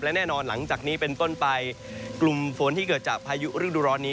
และแน่นอนหลังจากนี้เป็นต้นไปกลุ่มฝนที่เกิดจากพายุฤดูร้อนนี้